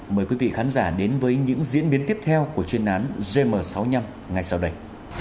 mời quý vị khán giả đến với những diễn biến tiếp theo của chuyên án gm sáu mươi năm ngày sau đây